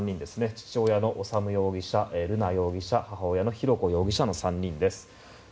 父親の修容疑者、瑠奈容疑者母親の浩子容疑者の３人です。